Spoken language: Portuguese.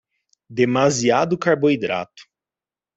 Demasiado carboidrato